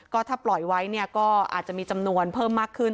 ก็ถ้าปล่อยไว้เนี่ยก็อาจจะมีจำนวนเพิ่มมากขึ้น